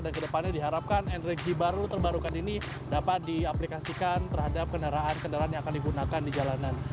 dan kedepannya diharapkan energi baru terbarukan ini dapat diaplikasikan terhadap kendaraan kendaraan yang akan digunakan di jalanan